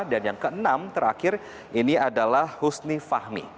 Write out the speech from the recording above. dan yang keenam terakhir ini adalah husni fahmi